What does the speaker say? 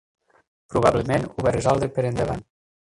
Probablement ho va resoldre per endavant.